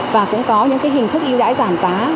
và cũng có những hình thức yêu đãi giảm giá